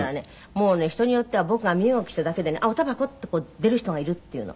「もうね人によっては僕が身動きしただけでね“あっおタバコ？”って出る人がいる」って言うの。